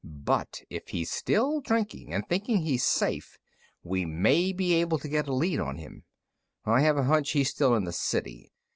"But if he's still drinking and thinks he's safe, we may be able to get a lead on him. I have a hunch he's still in the city.